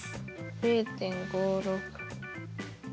０．５６。